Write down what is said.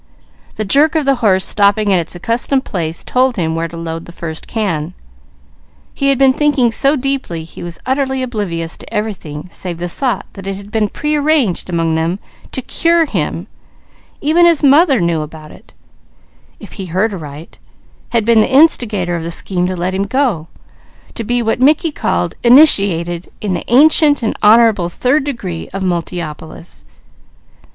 The jerk of the horse stopping at its accustomed place told him when to load the first can. He had been thinking so deeply he was utterly oblivious to everything save the thought that it had been prearranged among them to "cure" him; even his mother knew about, if he heard aright, had been the instigator of the scheme to let him go, to be what Mickey called "initiated in the ancient and honourable third degree of Multiopolis."